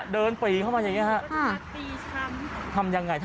เดินปีเข้ามาอย่างนี้ค่ะ